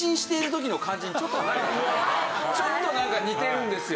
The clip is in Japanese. ちょっと似てるんですよ。